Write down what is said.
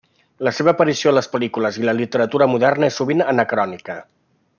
La seva aparició en les pel·lícules i la literatura moderna és sovint anacrònica.